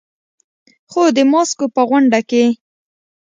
خو د ماسکو په غونډه کې